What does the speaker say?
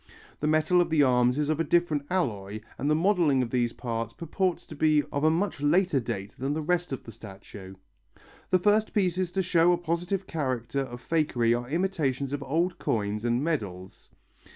The metal of the arms is of a different alloy and the modelling of these parts purports to be of a much later date than the rest of the statue. The first pieces to show a positive character of fakery are imitations of old coins and medals.